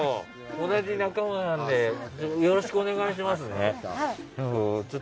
同じ仲間なんでよろしくお願いしますね。